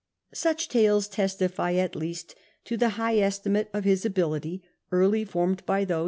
Such tales testify at least to the high estimate of his ability early formed by those who ^ Epistles, i.